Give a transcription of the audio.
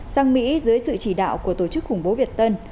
sang mỹ dưới sự chỉ đạo của tổ chức khủng bố việt tân